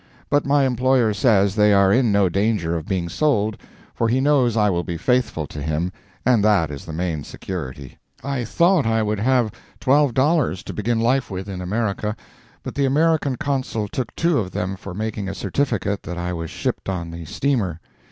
But my employer says they are in no danger of being sold, for he knows I will be faithful to him, and that is the main security. I thought I would have twelve dollars to begin life with in America, but the American Consul took two of them for making a certificate that I was shipped on the steamer.